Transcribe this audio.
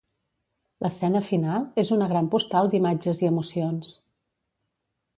L'escena final és una gran postal d'imatges i emocions.